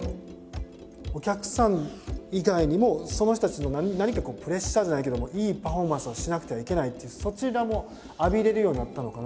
お客さん以外にもその人たちの何かプレッシャーじゃないけどもいいパフォーマンスをしなくてはいけないっていうそちらも浴びれるようになったのかな